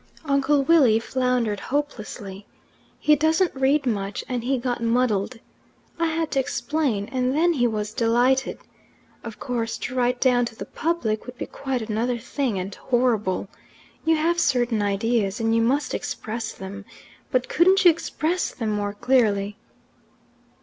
Uncle Willie floundered hopelessly. He doesn't read much, and he got muddled. I had to explain, and then he was delighted. Of course, to write down to the public would be quite another thing and horrible. You have certain ideas, and you must express them. But couldn't you express them more clearly?"